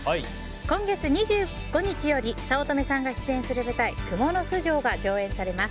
今月２５日より早乙女さんが出演する舞台「蜘蛛巣城」が上演されます。